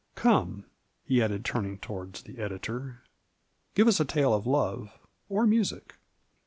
Come," he added, turning toward the Editor, " give us a tale of love, or music."